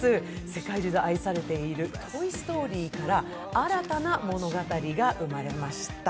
世界中で愛されている「トイ・ストーリー」から新たな物語が生まれました。